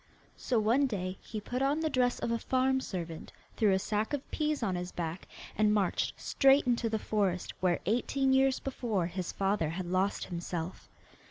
So one day he put on the dress of a farm servant, threw a sack of peas on his back, and marched straight into the forest where eighteen years before his father had lost himself.